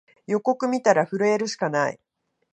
予告みたら震えるしかない